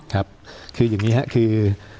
ครับคืออย่างนี้คือ